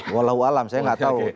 walau alam saya gak tau